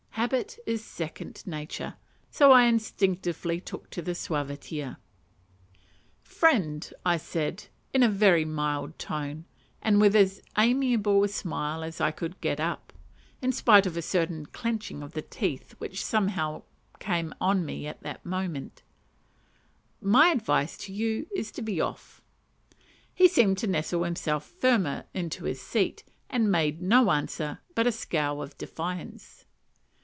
"Habit is second nature," so I instinctively took to the suaviter. "Friend," said I, in a very mild tone, and with as amiable a smile as I could get up, in spite of a certain clenching of the teeth which somehow came on me at the moment, "my advice to you is to be off." He seemed to nestle himself firmer in his seat, and made no answer but a scowl of defiance.